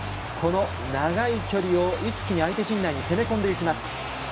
長い距離を一気に相手陣内に攻め込んでいきます。